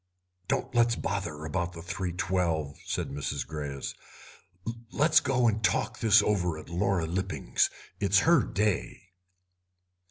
"Don't let's bother about the 3.12," said Mrs. Greyes; "let's go and talk this over at Laura Lipping's. It's her day."